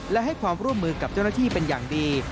และให้ความร่วมมือกับเจ้าหน้าที่เป็นอย่างดี